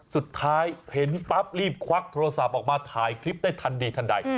สุดท้ายเห็นปั๊บรีบควักโทรศัพท์ออกมาถ่ายคลิปได้ทันดีทันใด